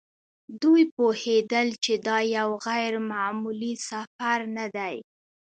دوی پوهېدل چې دا یو غیر معمولي سفر نه دی.